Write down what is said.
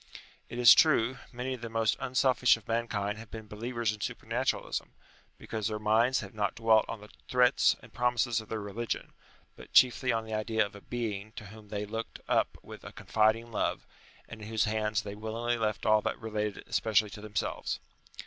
It is true, many of the most unselfish of mankind have been believers in supernaturalism, because their minds have not dwelt on the threats and promises of their religion, but chiefly on the idea of a Being to whom they looked up with a confiding love, and in whose hands they willingly leffc all that related especially to themselves.